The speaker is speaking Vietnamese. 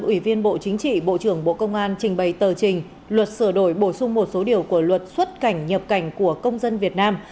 ủy viên bộ chính trị bộ trưởng bộ công an trình bày tờ trình luật sửa đổi bổ sung một số điều của luật xuất cảnh nhập cảnh của công dân việt nam